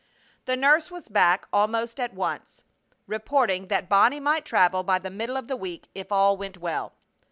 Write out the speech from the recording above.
The nurse was back almost at once, reporting that Bonnie might travel by the middle of the week if all went well.